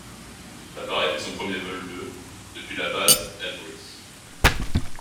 L'appareil fait son premier vol le depuis la base Edwards.